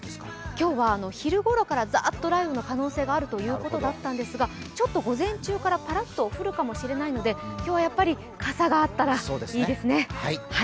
今日は昼ごろからザッと雷雨の可能性があるということだったんですがちょっと午前中からパラッと降るかもしれないので今日はやっぱり傘があったらいいですね。